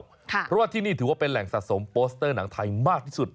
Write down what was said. เพราะว่าที่นี่ถือว่าเป็นแหล่งสะสมโปสเตอร์หนังไทยมากที่สุด